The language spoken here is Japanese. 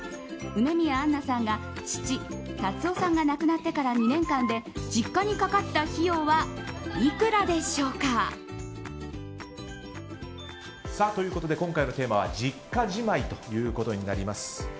梅宮アンナさんが父・辰夫さんが亡くなってから２年間で実家にかかった費用はいくらでしょうか？ということで今回のテーマは実家じまいということになります。